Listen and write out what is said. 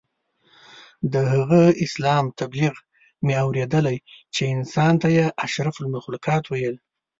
د هغه اسلام تبلیغ مې اورېدلی چې انسان ته یې اشرف المخلوقات ویل.